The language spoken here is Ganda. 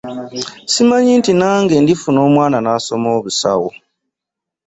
Simanyi nti nange ndifuna omwana n'asoma obusawo.